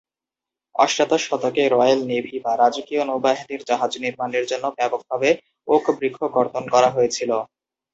অষ্টাদশ শতকে royal navy বা রাজকীয় নৌবাহিনীর জাহাজ নির্মাণের জন্য ব্যাপকভাবে ওক বৃক্ষ কর্তন করা হয়েছিল।